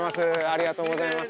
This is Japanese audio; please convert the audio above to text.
ありがとうございます。